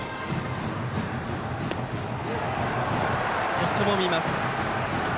ここも見ます。